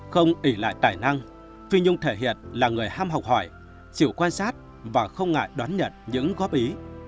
không ỉ lại tài năng phi nhung thể hiện là người ham học hỏi chịu quan sát và không ngại đón nhận những góp ý